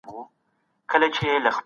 لوستل د انسان شعور ته وده ورکوي.